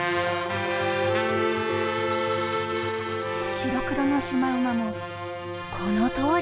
白黒のシマウマもこのとおり。